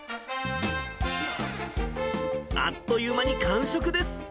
あっという間に完食です。